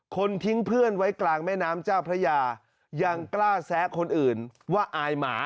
ทิ้งเพื่อนไว้กลางแม่น้ำเจ้าพระยายังกล้าแซะคนอื่นว่าอายหมา